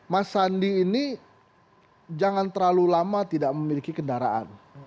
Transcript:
mas sandi ini jangan terlalu lama tidak memiliki kendaraan